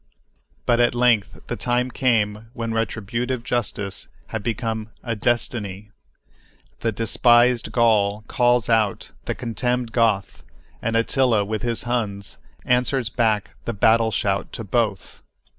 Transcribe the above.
But at length the time came when retributive justice had become "a destiny." The despised Gaul calls out the contemned Goth, and Attila with his Huns answers back the battle shout to both.